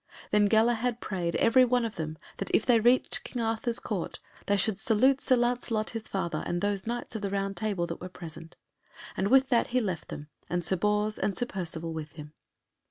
Then Galahad prayed every one of them that if they reached King Arthur's Court they should salute Sir Lancelot his father, and those Knights of the Round Table that were present, and with that he left them, and Sir Bors and Sir Percivale with him.